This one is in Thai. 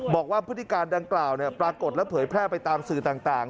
พฤติการดังกล่าวปรากฏและเผยแพร่ไปตามสื่อต่าง